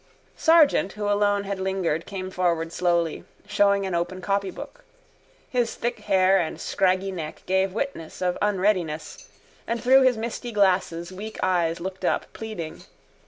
Sargent who alone had lingered came forward slowly, showing an open copybook. His tangled hair and scraggy neck gave witness of unreadiness and through his misty glasses weak eyes looked up pleading.